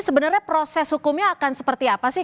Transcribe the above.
sebenarnya proses hukumnya akan seperti apa sih